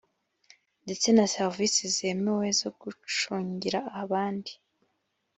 ndetse na serivisi zemewe zo gucungira abandi